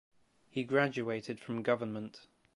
He graduated from Govt.